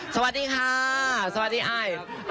สวัสดีค่ะสวัสดีไอ